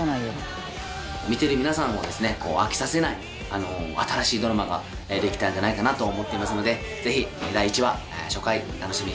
見ている皆さんをですね飽きさせない新しいドラマができたんじゃないかなと思っていますのでぜひ第１話初回楽しみにしていてください。